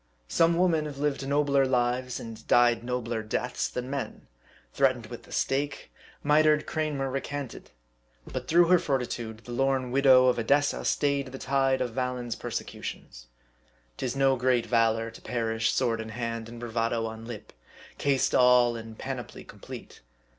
Some women have lived nobler lives, and died nobler deaths, than men. Threatened with the stake, mitred Cranmer recanted ; but through her fortitude, the lorn widow of Edessa stayed the tide of Valens' persecu tions. 'Tis no great valor to perish sword in hand, and bravado on lip ; cased all in panoply complete.